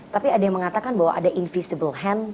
tapi ada yang mengatakan bahwa ada invisible hand